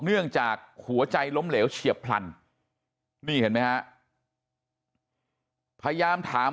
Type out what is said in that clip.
เนื่องจากหัวใจล้มเหลวเฉียบพลันนี่เห็นไหมฮะพยายามถาม